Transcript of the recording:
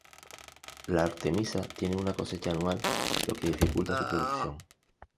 La "Artemisa" tiene una cosecha anual, lo que dificulta su producción.